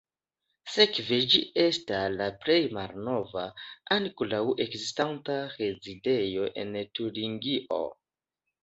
Sekve ĝi esta la plej malnova ankoraŭ ekzistanta rezidejo en Turingio.